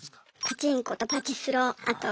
パチンコとパチスロあと